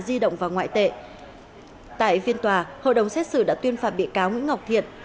di động và ngoại tệ tại viên tòa hội đồng xét xử đã tuyên phạm bị cáo nguyễn ngọc thiệt